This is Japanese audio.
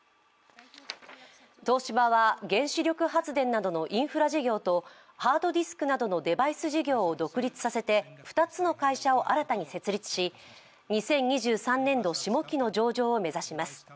東芝は原子力発電などのインフラ事業とハードディスクなどのデバイス事業を独立させて２つの会社を新たに設立し２０２３年度下期の上場を目指します。